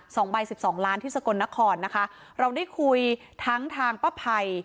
สองใบสิบสองล้านที่สกลนครนะคะเราได้คุยทั้งทางป้าภัย